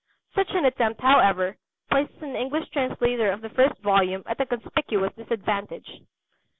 Such an attempt, however, places an English translator of the first volume at a conspicuous disadvantage.